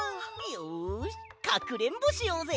よしかくれんぼしようぜ！